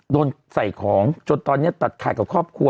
โดนใส่ของจนตอนนี้ตัดขาดกับครอบครัว